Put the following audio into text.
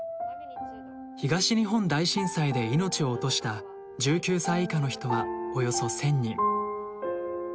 東日本大震災で命を落とした１９歳以下の人はおよそ１，０００人。